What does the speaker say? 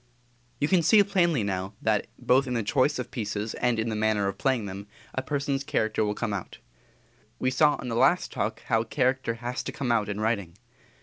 You can see plainly, now, that both in the choice of pieces and in the manner of playing them, a person's character will come out. We saw in the last Talk how character has to come out in writing.